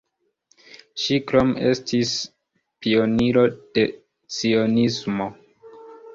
Ŝi krome estis pioniro de cionismo.